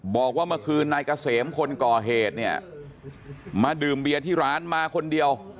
บอกว่าเมื่อคืนนายเกษมคนก่อเหตุเนี่ยมาดื่มเบียร์ที่ร้านมาคนเดียว